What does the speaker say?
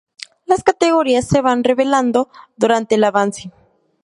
Las categorías se van revelando durante el avance.